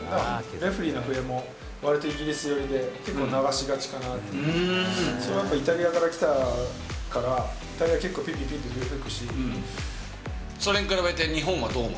レフェリーの笛も、わりとイギリス寄りで流しがちかなって、それはやっぱりイタリアから来たから、イタリアは、結構ピーピーそれに比べて日本はどう思う？